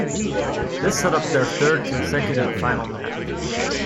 This set up their third consecutive final match.